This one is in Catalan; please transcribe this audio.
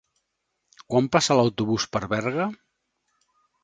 Quan passa l'autobús per Berga?